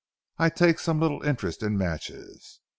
I take some little interest in matches.